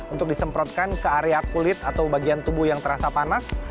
untuk disemprotkan ke area kulit atau bagian tubuh yang terasa panas